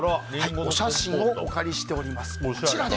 お写真をお借りしております。